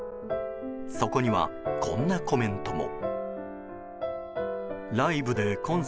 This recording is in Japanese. そこには、こんなコメントも。